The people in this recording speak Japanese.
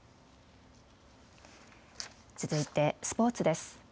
続いてスポーツです。